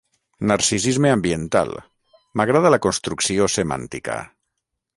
“Narcisisme ambiental”, m’agrada la construcció semàntica.